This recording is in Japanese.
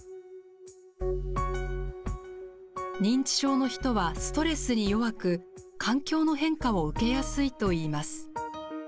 認知症の人はストレスに弱く環境の変化を受けやすいといいます。